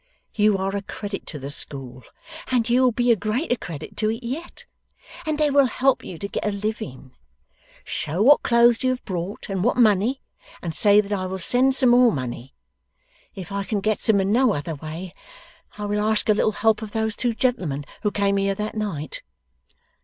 You are a credit to the school, and you will be a greater credit to it yet, and they will help you to get a living. Show what clothes you have brought, and what money, and say that I will send some more money. If I can get some in no other way, I will ask a little help of those two gentlemen who came here that night.